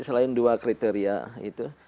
selain dua kriteria itu